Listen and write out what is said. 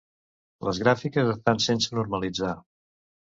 Les gràfiques estan sense normalitzar.